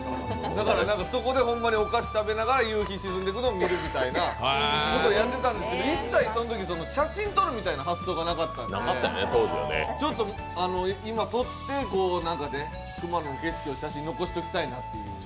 だからそこでほんまにお菓子食べながら夕日が沈んでいくのを見るみたいなのをやってたんですけど、一切、そのとき写真撮るみたいなのなかったんでちょっと今撮って、熊野の景色を写真に残しておきたいなと。